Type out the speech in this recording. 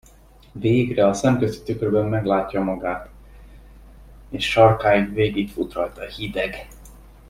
Végre a szemközti tükörben meglátja magát, és sarkáig végigfut rajta a hideg.